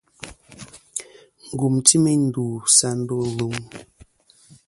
Ngùm ti meyn ndu sɨ a ndô lum.